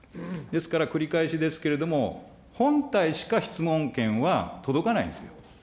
ですから、繰り返しですけれども、本体しか質問権は届かないんですよ。